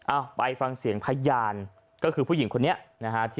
เอาไปฟังเสียงพยานก็คือผู้หญิงคนนี้นะฮะ